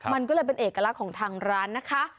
มันก็เลยเป็นเอกลักษณ์ของทางร้านนะคะ